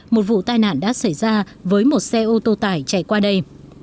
một vụ tai nạn đã xảy ra với một xe ô tô tải chạy qua đây